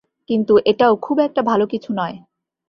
কিন্তু এটাও খুব একটা ভাল কিছু নয়।